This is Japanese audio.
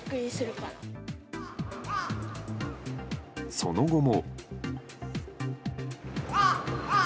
その後も。